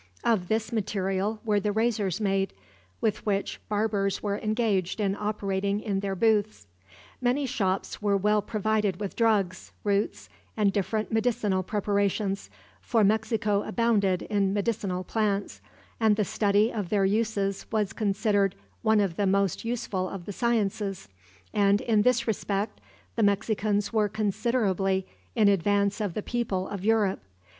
Of this material were the razors made, with which barbers were engaged in operating in their booths. Many shops were well provided with drugs, roots, and different medicinal preparations; for Mexico abounded in medicinal plants, and the study of their uses was considered one of the most useful of the sciences, and in this respect the Mexicans were considerably in advance of the people of Europe.